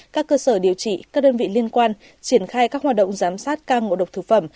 các cơ sở điều trị các đơn vị liên quan triển khai các hoạt động giám sát ca ngộ độc thực phẩm